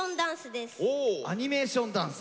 アニメーションダンス。